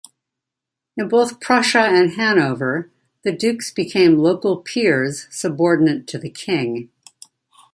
In both Prussia and Hanover, the dukes became local peers subordinate to the king.